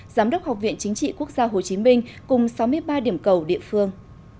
giám đốc học viện chính trị quốc gia hồ chí minh cùng sáu mươi ba điểm cầu địa phương